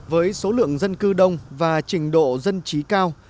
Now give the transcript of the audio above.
với số lượng dân cư đông và trình độ dân trí cao